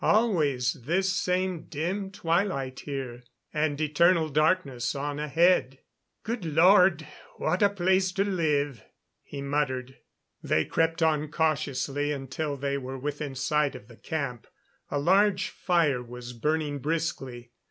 Always this same dim twilight here and eternal darkness on ahead. "Good Lord, what a place to live!" he muttered. They crept on cautiously until they were within sight of the camp. A large fire was burning briskly.